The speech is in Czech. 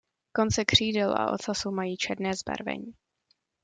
Konce křídel a ocasu mají černé zbarvení.